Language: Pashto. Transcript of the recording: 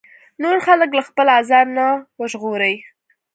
نور خلک له خپل ازار نه وژغوري.